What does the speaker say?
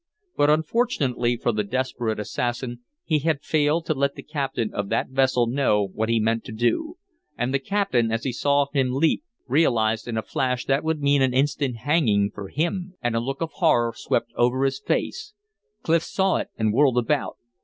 But unfortunately for the desperate assassin, he had failed to let the captain of that vessel know what he meant to do. And the captain, as he saw him leap, realized in a flash that would mean an instant hanging for him. And a look of horror swept over his face; Clif saw it and whirled about.